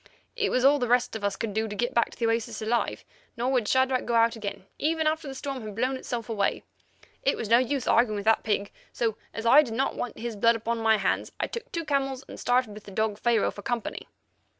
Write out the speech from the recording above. It was all the rest of us could do to get back to the oasis alive, nor would Shadrach go out again even after the storm had blown itself away. It was no use arguing with the pig, so, as I did not want his blood upon my hands, I took two camels and started with the dog Pharaoh for company.